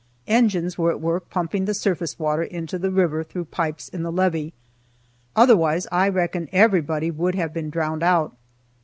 Engines were at work pumping the surface water into the river through pipes in the levee; otherwise I reckon everybody would have been drowned out.